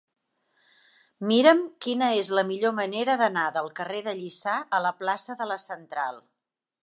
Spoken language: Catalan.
Mira'm quina és la millor manera d'anar del carrer de Lliçà a la plaça de la Central.